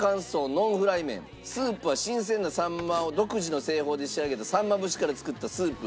スープは新鮮なさんまを独自の製法で仕上げたさんま節から作ったスープ。